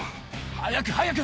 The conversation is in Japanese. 早く早く！